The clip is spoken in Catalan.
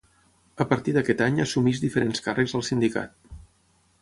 A partir d'aquest any assumeix diferents càrrecs al sindicat.